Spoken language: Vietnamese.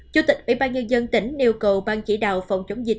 chủ tịch ủy ban nhân dân tỉnh yêu cầu ban chỉ đạo phòng chống dịch